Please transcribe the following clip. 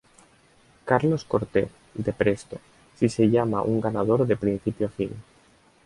Carlos Cortez, de Presto Si se llama un "ganador de principio a fin".